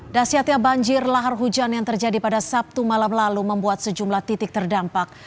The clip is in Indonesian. dasyatnya banjir lahar hujan yang terjadi pada sabtu malam lalu membuat sejumlah titik terdampak